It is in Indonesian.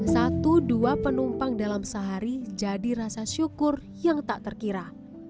satu dua penumpang dalam sehari jadi rasa syukur yang tak terkira